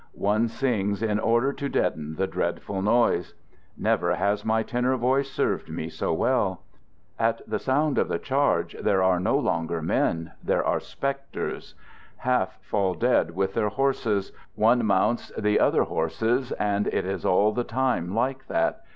One sings in order to deaden the dreadful noise. Never has my tenor voice served me so well. At the* sound of the charge, there are no longer men ; there are specters. Half fall dead with their horses. One mounts the other horses, and it is all the time like that.